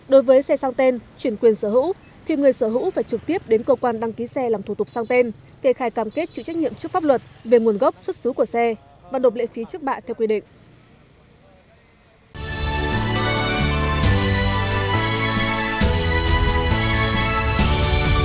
đối với xe sang tên chuyển quyền sở hữu thì người sở hữu phải trực tiếp đến cơ quan đăng ký xe làm thủ tục sang tên kể khai cam kết chịu trách nhiệm trước pháp luật về nguồn gốc xuất xứ của xe và đột lệ phí trước bạ theo quy định